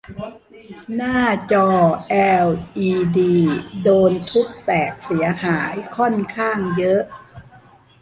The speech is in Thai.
หน้าจอแอลอีดีโดนทุบแตกเสียหายค่อนข้างเยอะ